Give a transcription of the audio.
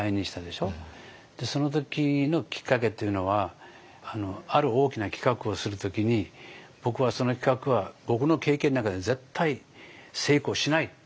その時のきっかけっていうのはある大きな企画をする時に僕はその企画は僕の経験の中で絶対成功しないっていう信念があったんですよ。